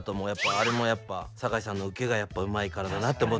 あれもやっぱ酒井さんの受けがやっぱうまいからだなって思っちゃう。